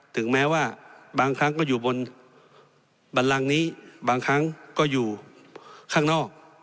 ถึงแม้ว่าบางครั้งก็อยู่บนบันลังนี้บางครั้งก็อยู่ข้างนอก